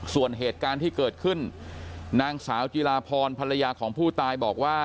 ส่วนเหตุการณ์ที่เกิดขึ้นนางสาวจิลาพรภรรยาของผู้ตายบอกว่า